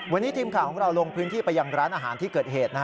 วันนี้ทีมข่าวของเราลงพื้นที่ไปยังร้านอาหารที่เกิดเหตุ